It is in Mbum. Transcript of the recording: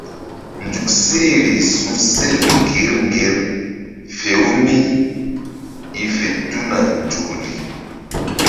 Nzuk sehri su̧sel ŋgir ŋgir fe-u mí i fe tuna nzukri.